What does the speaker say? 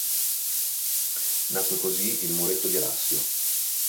Nacque così il Muretto di Alassio.